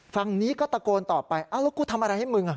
ฝั่งนี้ก็ตะโกนต่อไปแล้วกูทำอะไรให้มึง